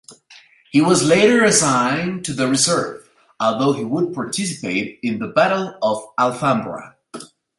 He was later assigned to the reserve, although he would participate in the battle of the Alfambra.